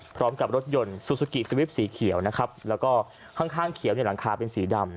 พร้อมกับรถยนต์ซูซูกิสวิปสีเขียวแล้วก็ข้างเขียวหลังคาเป็นสีดำ